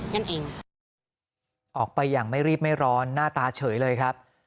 นั่นเองออกไปอย่างไม่รีบไม่ร้อนหน้าตาเฉยเลยครับ